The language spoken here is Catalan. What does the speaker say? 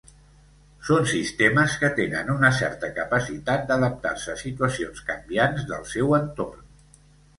Són sistemes que tenen una certa capacitat d'adaptar-se a situacions canviants del seu entorn.